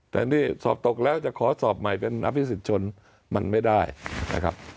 แต่นี่สอบตกแล้วจะขอสอบใหม่เป็นอภิษฎชนมันไม่ได้นะครับ